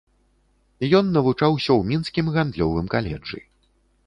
Ён навучаўся ў мінскім гандлёвым каледжы.